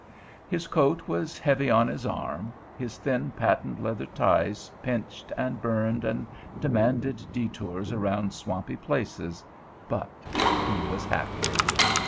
His coat was heavy on his arm, his thin patent leather ties pinched and burned and demanded detours around swampy places, but he was happy.